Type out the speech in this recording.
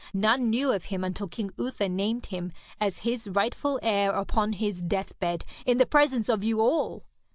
None knew of him until King Uther named him as his rightful heir upon his deathbed in the presence of you all.